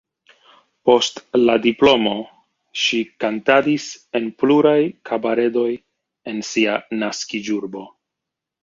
Post la diplomo ŝi kantadis en pluraj kabaredoj en sia naskiĝurbo.